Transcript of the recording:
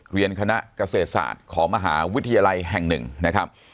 เรียนคณะเกษตรศาสตร์ของมหาวิทยาลัยแห่งหนึ่งนะครับ